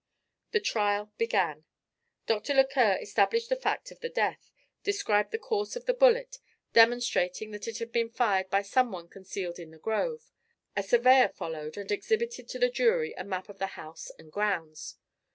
The trial began. Dr. Lequer established the fact of the death, described the course of the bullet, demonstrating that it had been fired by some one concealed in the grove. A surveyor followed and exhibited to the jury a map of the house and grounds.